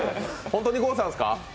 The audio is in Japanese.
本当に郷さんですか？